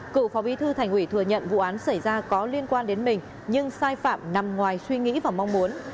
cựu phó bí thư thành ủy thừa nhận vụ án xảy ra có liên quan đến mình nhưng sai phạm nằm ngoài suy nghĩ và mong muốn